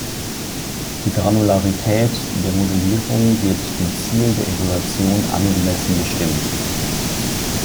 Die Granularität der Modellierung wird dem Ziel der Evaluation angemessen bestimmt.